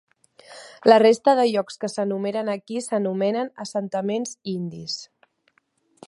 La resta de llocs que s'enumeren aquí s'anomenen assentaments indis.